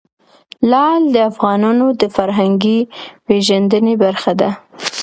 لعل د افغانانو د فرهنګي پیژندنې برخه ده.